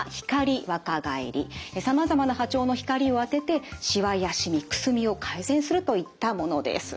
さまざまな波長の光を当ててしわやしみくすみを改善するといったものです。